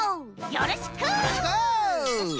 よろしく！